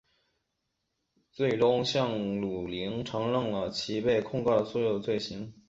最终向汝霖承认了其被控告的所有罪行。